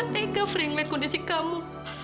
mama tega frey men kondisi kamu